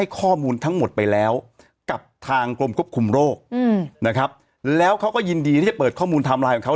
เขาก็ยินดีที่จะเปิดข้อมูลไทม์ไลน์ของเขา